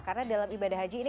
karena dalam ibadah haji ini